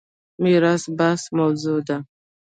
میراث بخت موضوع ده.